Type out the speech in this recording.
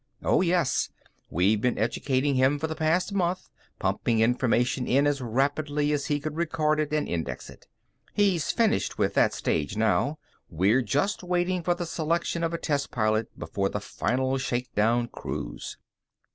"Oh, yes. We've been educating him for the past month, pumping information in as rapidly as he could record it and index it. He's finished with that stage now; we're just waiting for the selection of a test pilot for the final shakedown cruise."